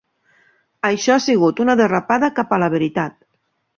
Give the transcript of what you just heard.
Això ha sigut una derrapada cap a la veritat.